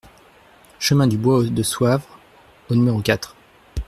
Chemin du Bois de Soavre au numéro quatre